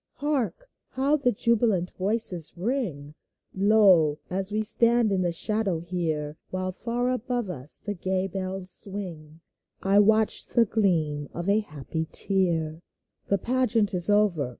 Hark ! how the jubilant voices ring ! Lo ! as we stand in the shadow here. While far above us the gay bells swing, I catch the gleam of a happy tear ! The pageant is over.